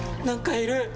何かいる！